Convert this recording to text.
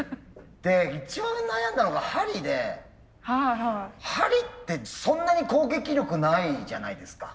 で一番悩んだのが針で針ってそんなに攻撃力ないじゃないですか。